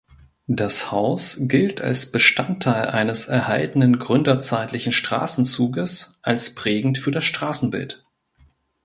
Das Haus gilt als Bestandteil eines erhaltenen gründerzeitlichen Straßenzuges als prägend für das Straßenbild.